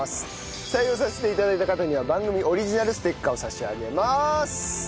採用させて頂いた方には番組オリジナルステッカーを差し上げます。